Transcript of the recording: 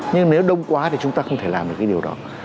nhưng nếu đông quá thì chúng ta không thể làm được cái điều đó